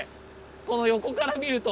この横から見ると。